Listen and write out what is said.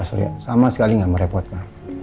sama sekali gak merepotin